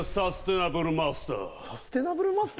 サステナブルマスター？